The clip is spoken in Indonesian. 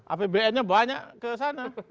apbnnya banyak ke sana